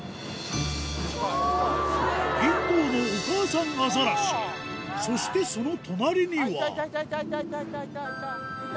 １頭のお母さんアザラシそしてその隣にはいたいたいたいた！